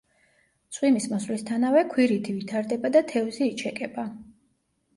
წვიმის მოსვლისთანავე ქვირითი ვითარდება და თევზი იჩეკება.